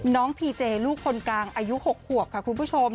พีเจลูกคนกลางอายุ๖ขวบค่ะคุณผู้ชม